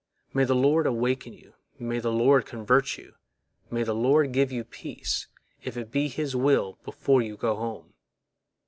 May the Lord awaken you, may the Lord convert you, may the Lord give you peace, if it be His will, before you go home!